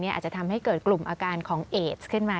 อาจจะทำให้เกิดกลุ่มอาการของเอสขึ้นมา